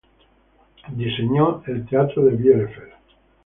Diseño el teatro de Bielefeld.